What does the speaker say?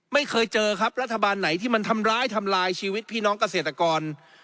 ไม่เคยเจอครับรัฐบาลไหนที่มันทำร้ายทำลายชีวิตพี่น้องเกษตรกร